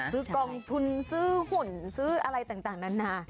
กองทุนซื้อหุ่นซื้ออะไรต่างนานา